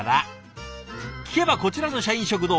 聞けばこちらの社員食堂